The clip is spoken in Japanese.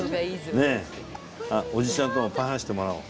おじちゃんともパーンしてもらおう。